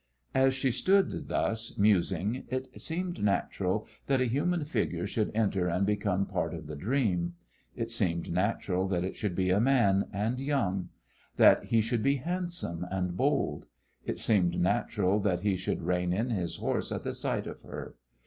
As she stood thus, musing, it seemed natural that a human figure should enter and become part of the dream. It seemed natural that it should be a man, and young; that he should be handsome and bold. It seemed natural that he should rein in his horse at the sight of her.